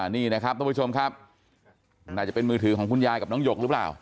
นี่นะครับทุกผู้ชมครับน่าจะเป็นมือถือของคุณยายกับน้องหยกหรือเปล่า